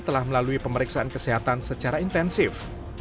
telah melalui pemeriksaan kesehatan secara intensif